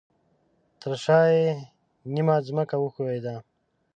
ترشاه یې نیمه ځمکه وښویده